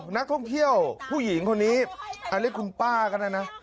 นักท่องเที่ยวผู้หญิงคนนี้อันนี้คุณป้าก็ได้นะ